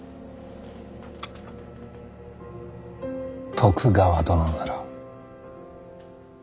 徳川殿なら？